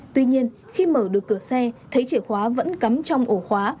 tuy nhiên khi mở được cửa xe thấy chìa khóa vẫn cắm trong ổ khóa